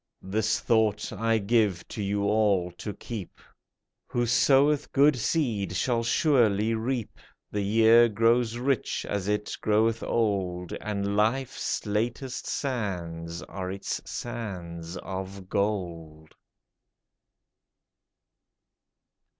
This thought I give to you all to keep : Who soweth good seed shall surely reap ; The year grows rich as it groweth old. And life's latest sands are its sands of gold